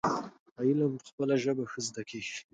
علم په خپله ژبه ښه زده کيږي.